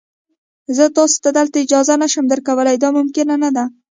زه تاسي ته دلته اجازه نه شم درکولای، دا ممکنه نه ده.